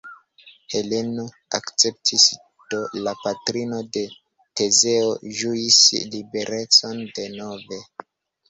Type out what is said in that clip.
Heleno akceptis, do la patrino de Tezeo ĝuis liberecon denove.